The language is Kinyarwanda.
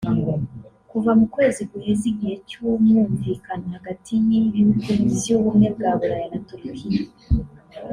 kuva mu kwezi guheze igihe cy'umwumvikano hagati y'ibihugu vy'ubumwe bwa Bulaya na Turukira